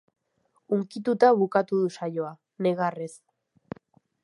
Hunkituta bukatu du saioa, negarrez.